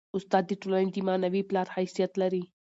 استاد د ټولني د معنوي پلار حیثیت لري.